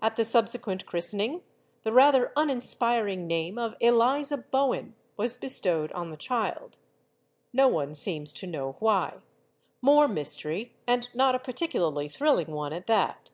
At the subsequent christening, the rather uninspiring name of Eliza Bowen was bestowed on the child. No one seems to know why. More mystery, and not a particularly thrilling one at that.